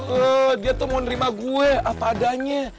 eh dia tuh mau nerima gue apa adanya